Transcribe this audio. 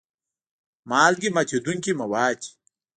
مالګې ماتیدونکي مواد دي.